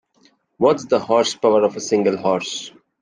What's the horsepower of a single horse?